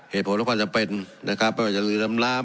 เหตุผลและความจำเป็นนะครับไม่ว่าจะลืมล้าม